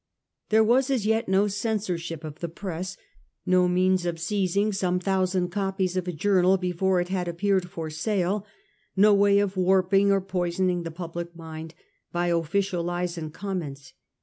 There was as yet no censorship of the press, no means of seizing some thousand copies of a journal before it had appeared for sale, no way of warping or poisoning the public mind by official lies and comments.